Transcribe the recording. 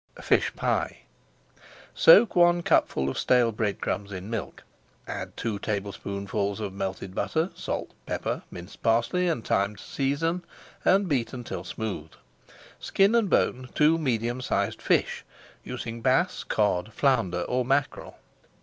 FISH PIE Soak one cupful of stale bread crumbs in milk, add two tablespoonfuls of melted butter, salt, pepper, minced parsley, and thyme to season, and beat until smooth. Skin and bone two medium sized fish, using bass, cod, flounder, or mackerel.